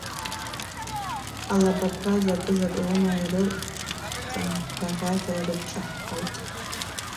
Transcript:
Алабаква закӏы-закӏ гӏвына йрыквхӏцӏан багъьата йрыдшӏахӏхӏвалтӏ.